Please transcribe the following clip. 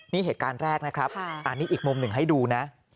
นี่เหตุการณ์แรกนะครับอันนี้อีกมุมหนึ่งให้ดูนะ